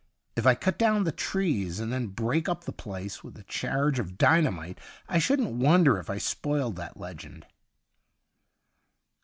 If I cut down the trees and then break up the place with a charge of dynamite I shouldn't wonder if I spoiled that legend.'